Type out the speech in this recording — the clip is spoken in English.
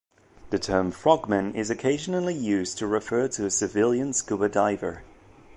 The term "frogman" is occasionally used to refer to a civilian scuba diver.